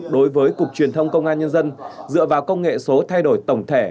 đối với cục truyền thông công an nhân dân dựa vào công nghệ số thay đổi tổng thể